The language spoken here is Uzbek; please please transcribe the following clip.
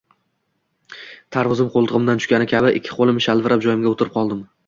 Tarvuzim qo’ltig’imdan tushgani kabi ikki qo’lim shalvirab joyimga o’tirib qoldim.